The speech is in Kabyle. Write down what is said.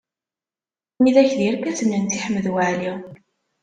Widak d irkasen n Si Ḥmed Waɛli.